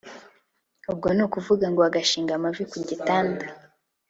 ubwo n'ukuvuga ngo agashinga amavi ku gitanda